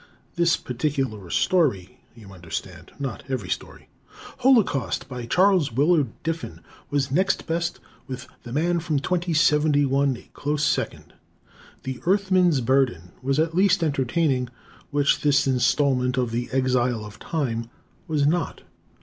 This particular story, you understand; not every story. "Holocaust," by Charles Willard Diffin, was next best with "The Man from 2071" a close second. "The Earthman's Burden" was at least entertaining, which this installment of "The Exile of Time" was not.